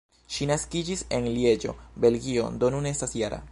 Ŝi naskiĝis en Lieĝo, Belgio, do nun estas -jara.